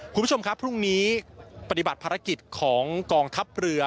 คุณผู้ชมครับพรุ่งนี้ปฏิบัติภารกิจของกองทัพเรือ